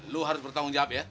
lu harus bertanggung jawab ya